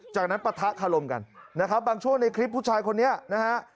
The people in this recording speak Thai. จากนั้นปะทะคารมกันนะครับบางช่วงในคลิปผู้ชายคนนี้นะฮะ